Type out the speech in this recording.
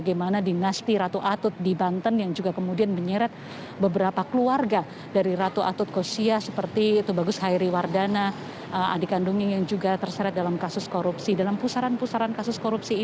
kami mendapat informasi bahwa hingga saat ini adeyasin masih merupakan ketua dewan pimpinan wilayah p tiga di jawa barat sedangkan untuk ketua dpc masih diduduki oleh eli raffi